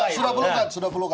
sudah puluh kan sudah puluh kan